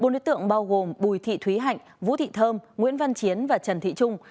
bốn đối tượng bao gồm bùi thị thúy hạnh vũ thị thơm nguyễn văn chiến và trần thị trung